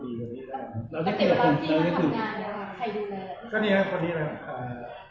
ดีว่ายังใครดูเลย